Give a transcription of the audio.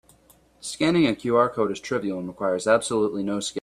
Scanning a QR code is trivial and requires absolutely no skill.